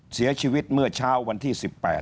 เสียชีวิตเมื่อเช้าวันที่๑๘